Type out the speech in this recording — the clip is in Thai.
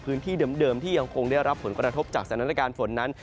พื้นที่เดิมที่ยังคงได้รับผลกระทบจากสถานการณ์ฝนนั้น